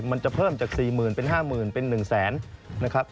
มันจะเพิ่มจาก๔๐เป็น๕๐เป็น๑๐๐นะครับ